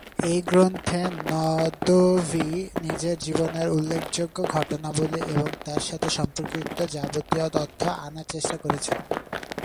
এই গ্রন্থে নদভী নিজের জীবনের উল্লেখযোগ্য ঘটনাবলী এবং তার সাথে সম্পর্কিত যাবতীয় তথ্য আনার চেষ্টা করেছেন।